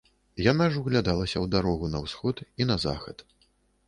Яна ж углядалася ў дарогу на ўсход і на захад.